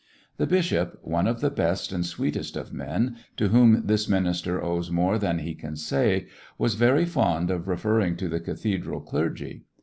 The bishop, one of the best and sweetest of men, to whom this minister owes more than he can say, was very fond of refer ring to the cathedral clergy.